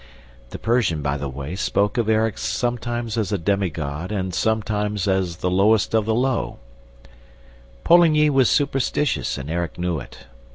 The Persian, by the way, spoke of Erik sometimes as a demigod and sometimes as the lowest of the low "Poligny was superstitious and Erik knew it.